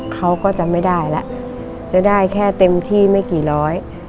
เขาก็จะไม่ได้แล้วจะได้แค่เต็มที่ไม่กี่ร้อย